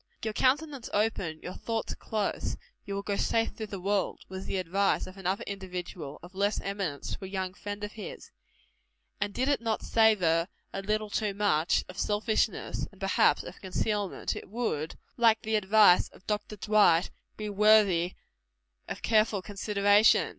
"Your countenance open, your thoughts close, you will go safe through the world" was the advice of another individual, of less eminence, to a young friend of his; and did it not savor a little too much of selfishness, and perhaps of concealment, it would, like the advice of Dr. Dwight, be worthy of careful consideration.